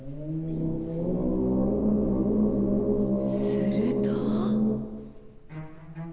すると。